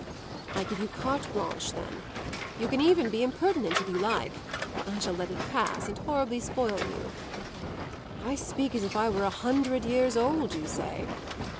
I give you carte blanche then; you can even be impertinent if you like; I shall let it pass and horribly spoil you. I speak as if I were a hundred years old, you say?